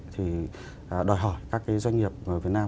thì đòi hỏi các cái doanh nghiệp việt nam